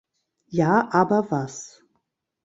Ja, aber was.